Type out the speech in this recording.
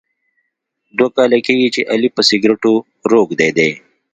دوه کاله کېږي چې علي په سګرېټو روږدی دی.